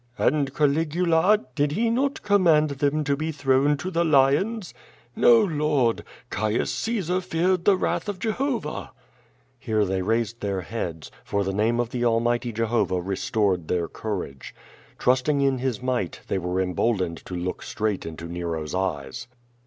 "And Caligula, did he not command them to be thrown to the lions?" "No, Lord; Caius Caesar feared the wrath of Jehovah." Here thoy raised their heads, for the name of the Almighty ^52 Q^^ VAD18. Jeho^^h restored their courage. Trusting in Hie might, they were emboldened to lock straight into Nero's eyes.